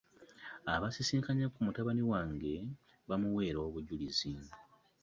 Abasisinkanyeeko ku mutabani wange bamuweera obujulizi.